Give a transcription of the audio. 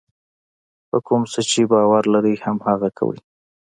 په کوم څه چې باور لرئ هماغه کوئ.